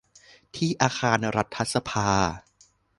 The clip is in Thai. ที่อาคารรัฐสภา